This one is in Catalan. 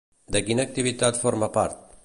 De quina activitat forma part?